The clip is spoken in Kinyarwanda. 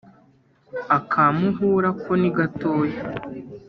Aka Muhura ko ni gatoya.